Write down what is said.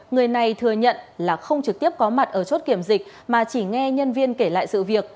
người này thừa nhận là không trực tiếp có mặt ở chốt kiểm dịch mà chỉ nghe nhân viên kể lại sự việc